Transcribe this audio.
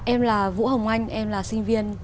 em là vũ hồng anh em là sinh viên